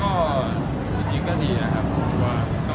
ก็ทีนี้ก็ดีนะครับ